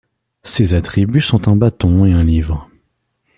Ses attributs sont un bâton et un livre.